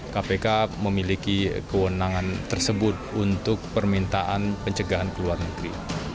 kpk memiliki kewenangan tersebut untuk permintaan pencegahan ke luar negeri